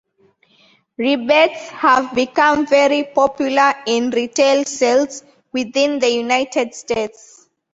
Rebates have become very popular in retail sales within the United States.